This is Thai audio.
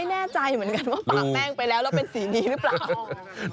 ไม่แน่ใจเหมือนกันว่าปากแป้งไปแล้วแล้วเป็นสีดีหรือเปล่า